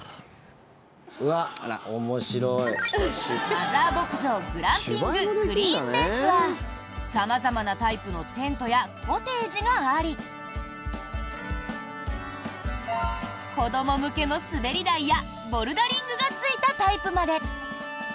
マザー牧場ＧＬＡＭＰＩＮＧＧｒｅｅｎＢａｓｅは様々なタイプのテントやコテージがあり子ども向けの滑り台やボルダリングがついたタイプまで。